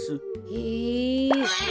へえ。